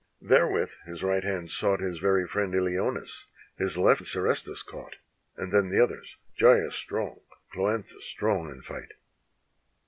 Therewith his right hand sought His ver}' friend Ilioneus, his left Serestus caught, And then the others, Gyas strong, Cloanthus strong in fight.